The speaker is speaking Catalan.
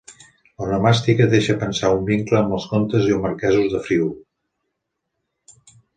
L'onomàstica deixa pensar un vincle amb els comtes o marquesos de Friül.